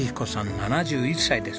７１歳です。